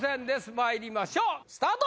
まいりましょうスタート！